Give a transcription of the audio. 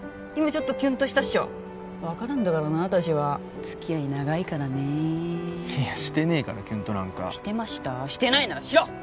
今ちょっとキュンとしたっしょ分かるんだからな私はつきあい長いからねいやしてねえからキュンとなんかしてましたしてないならしろ！